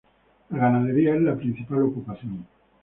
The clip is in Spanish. La ganadería es la principal ocupación.